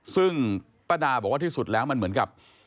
ซึ่งป้าดาบอกว่าที่สุดแล้วมันเหมือนกับ